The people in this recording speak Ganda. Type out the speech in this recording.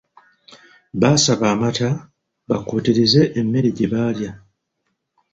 Baasaba amata bakuutirize emmere gye baalya.